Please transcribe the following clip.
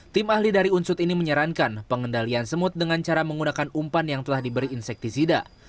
tim ahli dari unsur ini menyarankan pengendalian semut dengan cara menggunakan umpan yang telah diberi insektisida